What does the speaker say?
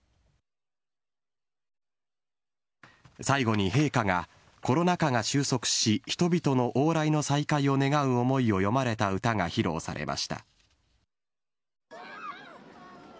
最後に陛下がコロナ禍が収束し、人々の往来の再開を願う思いを詠まれた歌が披露されました。